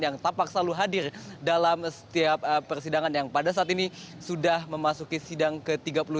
yang tampak selalu hadir dalam setiap persidangan yang pada saat ini sudah memasuki sidang ke tiga puluh dua